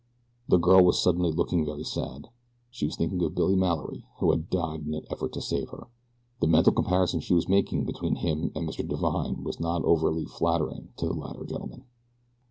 The girl was suddenly looking very sad. She was thinking of Billy Mallory who had died in an effort to save her. The mental comparison she was making between him and Mr. Divine was not overly flattering to the latter gentleman.